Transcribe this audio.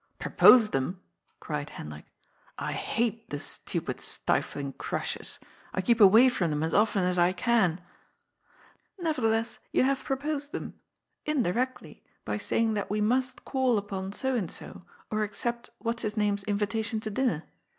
" Proposed them !" cried Hendrik ;" I hate the stupid, stifling crushes! I keep away from them as often as I can I " "Nevertheless you have proposed them — ^indirectly, by saying that we must call upon so and so, or accept what's his name's invitation to dinner.